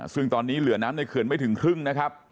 ซึ่งตอนนี้เหลือน้ำในเขื่อนไม่ถึงครึ่งนะครับ